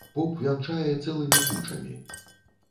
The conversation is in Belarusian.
Поп вянчае цэлымі кучамі.